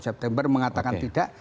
september mengatakan tidak